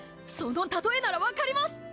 その例えならわかります！